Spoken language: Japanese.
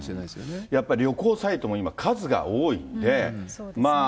やっぱり旅行サイトも今、数が多いんで、まあ。